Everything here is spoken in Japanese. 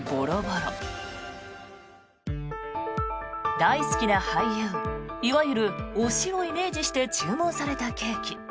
大好きな俳優いわゆる推しをイメージして注文されたケーキ。